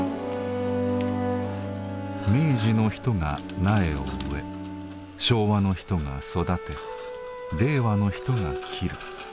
明治の人が苗を植え昭和の人が育て令和の人が切る。